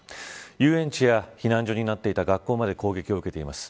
遊園地や避難所になっていてた所まで攻撃を受けています。